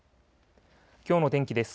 きょうの天気です。